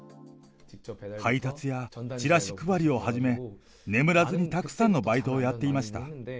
配達や、チラシ配りをはじめ、眠らずにたくさんのバイトをやっていました。